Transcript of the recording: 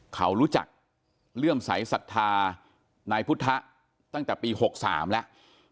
เขารู้จักเลื่อมใสสัทธานายพุทธะตั้งแต่ปี๖๓แล้ว